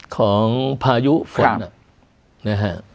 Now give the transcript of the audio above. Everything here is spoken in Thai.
ของพายุฝน